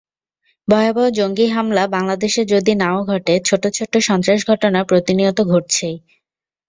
ভয়াবহ জঙ্গি হামলা বাংলাদেশে যদি না-ও ঘটে, ছোট ছোট সন্ত্রাস-ঘটনা প্রতিনিয়ত ঘটছেই।